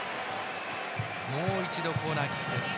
もう一度、コーナーキックです。